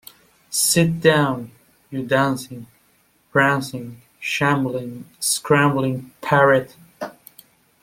Sit down, you dancing, prancing, shambling, scrambling parrot!